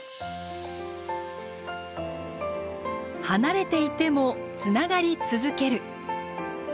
離れていてもつながり続ける。